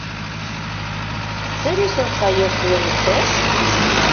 Zeri zor zaio, zuen ustez?